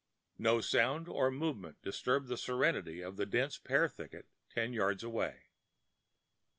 No sound or movement disturbed the serenity of the dense pear thicket ten yards away.